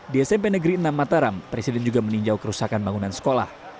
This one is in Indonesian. di smp negeri enam mataram presiden juga meninjau kerusakan bangunan sekolah